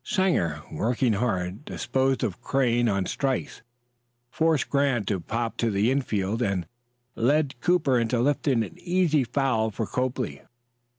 Sanger, working hard, disposed of Crane on strikes, forced Grant to pop to the infield, and led Cooper into lifting an easy foul for Copley.